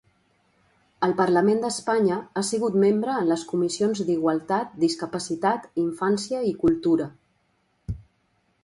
Al Parlament d'Espanya ha sigut membre en les comissions d'Igualtat, Discapacitat, Infància i Cultura.